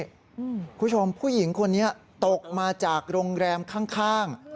คุณผู้ชมผู้หญิงคนนี้ตกมาจากโรงแรมข้าง